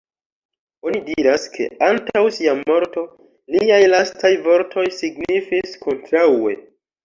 Oni diras, ke antaŭ sia morto, liaj lastaj vortoj signifis "Kontraŭe".